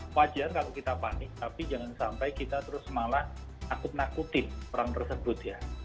wajar kalau kita panik tapi jangan sampai kita terus malah nakut nakutin orang tersebut ya